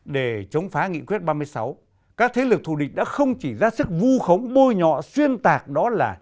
để chống phá nghị quyết ba mươi sáu các thế lực thù địch đã không chỉ ra sức vu khống bôi nhọ xuyên tạc đó là